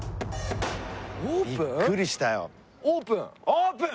オープン？